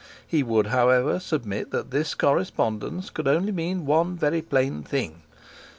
He would, however, submit that this correspondence could only mean one very plain thing.